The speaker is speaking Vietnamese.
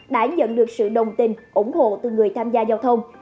đã nhận được sự đồng tình ủng hộ từ người tham gia giao thông